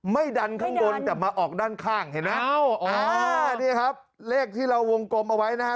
ไม่ดันข้างบนแต่มาออกด้านข้างเห็นไหมนี่ครับเลขที่เราวงกลมเอาไว้นะฮะ